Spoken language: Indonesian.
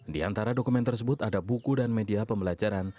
di antara dokumen tersebut ada buku dan media pembelajaran